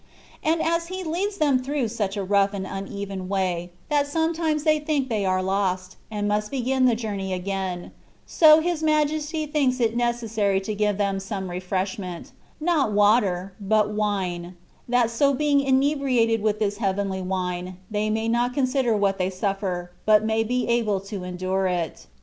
And as he leads them through such a rough and uneven way, that sometimes they think they are lost, and must begin the journey again, so His Majesty thinks it necessary to give them some refreshment — not water, but wine — that so being inebriated with this heavenly wine, they may not consider what they suffer, but may be able to endure it.